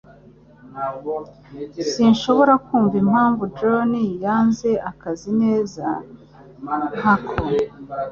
Sinshobora kumva impamvu John yanze akazi neza nkako.